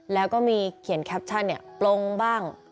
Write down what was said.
แล้วก็มีเขียนแคปชั่นปลงบ้าง